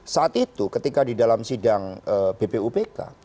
saat itu ketika di dalam sidang bpupk